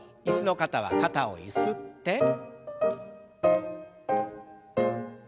椅子の方は肩をゆすって。